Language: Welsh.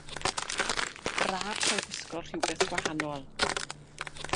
Braf cael gwisgo rhywbeth gwahanol.